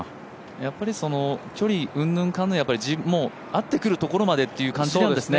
距離うんぬんかんぬん、合ってくるところまでという感じなんですね。